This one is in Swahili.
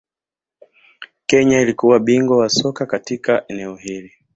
Kenya ilikuwa bingwa wa soka katika eneo hili